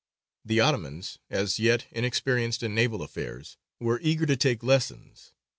The Ottomans, as yet inexperienced in naval affairs, were eager to take lessons.